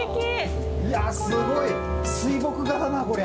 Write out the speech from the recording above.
すごい、水墨画だな、こりゃ。